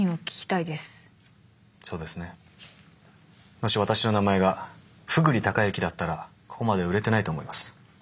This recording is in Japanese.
もし私の名前がふぐりたかゆきだったらここまで売れてないと思います。